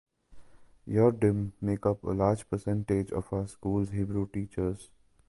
"Yordim" make up a large percentage of our school's Hebrew teachers.